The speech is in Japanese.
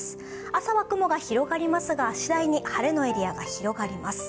朝は雲が広がりますが、しだいに晴れのエリアが広がります。